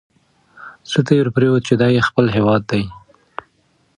زړه ته یې ورپرېوته چې دا یې خپل هیواد دی.